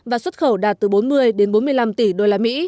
và xuất khẩu đạt từ bốn mươi đến bốn mươi năm tỷ usd